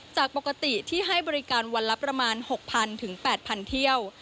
จากปกติที่ให้บริการวันละประมาณ๖๐๐๐ถึง๘๐๐เที่ยว